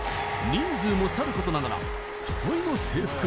人数もさることながら揃いの制服